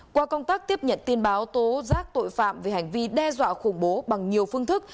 qua công tác tiếp nhận tin báo tố giác tội phạm về hành vi đe dọa khủng bố bằng nhiều phương thức